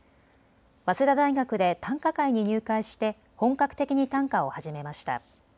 早稲田大学で短歌会に入会して本格的に短歌を始めました。